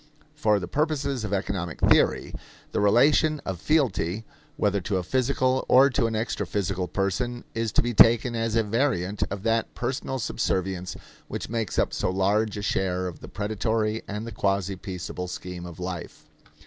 For the purposes of economic theory, the relation of fealty, whether to a physical or to an extraphysical person, is to be taken as a variant of that personal subservience which makes up so large a share of the predatory and the quasi peaceable scheme of life.